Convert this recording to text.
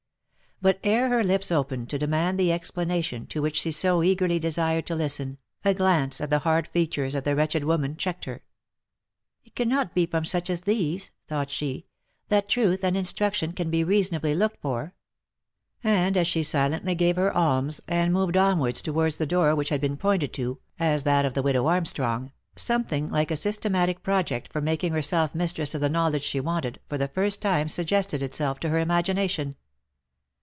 But ere her lips opened to demand the explanation to which she so eagerly desired to listen, a glance at the hard features of the wretched woman checked her. " It cannot be from such as these," thought she, " that truth and instruction can be reasonably looked for" — and as she silently gave her alms, and moved onwards towards the door which had been pointed to, as that of the widow Armstrong, something like a systematic project for making herself mistress of the knowledge she wanted, for the first time suggested itself to her imagination.